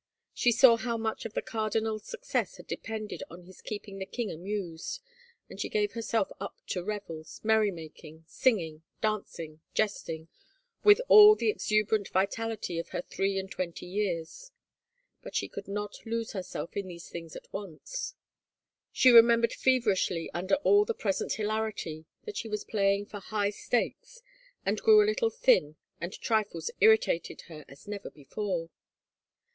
She saw how much of the cardinal's success had depended on his keeping the king amused, and she gave herself up to revels, merrymaking, singing, dancing, jesting, with all the exuberant vitality of her three and twenty years. But she could not lose herself in these things at once. She remembered feverishly under all the present hilarity that she was playing for high stakes, and grew a little thin and trifles irritated her as never before.